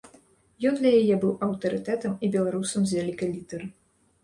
Ён для яе быў аўтарытэтам і беларусам з вялікай літары.